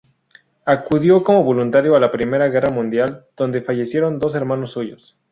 Acudió como voluntario a la Primera Guerra Mundial, donde fallecieron dos hermanos suyos.